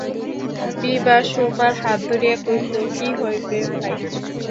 বিভা সুরমার হাত ধরিয়া কহিল, কী হইবে ভাই?